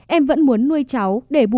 em vẫn muốn nuôi cháu để buồn